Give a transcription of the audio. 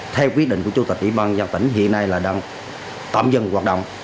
theo quyết định của chủ tịch ủy ban giao tỉnh hiện nay là tổng dân hoạt động